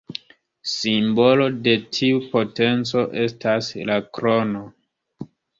Simbolo de tiu potenco estas la krono.